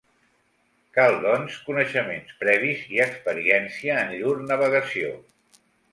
Cal, doncs, coneixements previs i experiència en llur navegació.